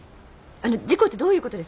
あの事故ってどういうことですか？